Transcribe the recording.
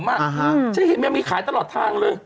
ผมเห็นมีขายตลอดทางเลย